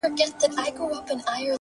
که هر څو دي په لاره کي گړنگ در اچوم ـ